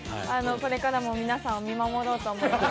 これからも皆さんを見守ろうと思います。